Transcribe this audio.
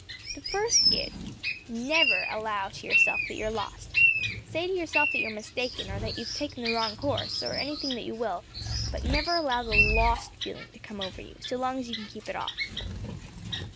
"The first is, never allow to yourself that you are lost. Say to yourself that you are mistaken, or that you have taken the wrong course, or anything that you will, but never allow the lost feeling to come over you, so long as you can keep it off.